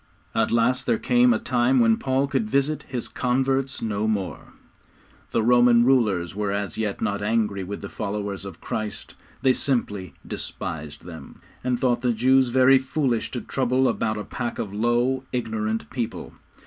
At last there came a time when Paul could visit his converts no more. The Roman rulers were as yet not angry with the followers of Christ. They simply despised them, and thought the Jews very foolish to trouble about a pack of low, ignorant people.